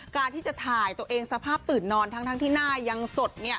การที่จะถ่ายตัวเองสภาพตื่นนอนทั้งที่หน้ายังสด